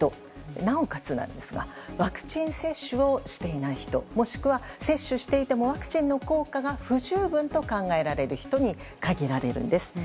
なおかつなんですがワクチン接種をしていない人もしくは接種していてもワクチンの効果が不十分と考えられる人に限られるんです。